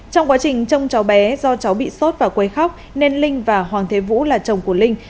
trong quá trình trông cháu bé do cháu bị sốt và quấy khóc nên linh và hoàng thế vũ là chồng của linh